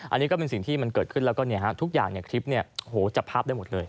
อันนี้ก็เป็นสิ่งที่มันเกิดขึ้นแล้วก็เนี้ยฮะทุกอย่างเนี้ยคลิปเนี้ยโหจับภาพได้หมดเลย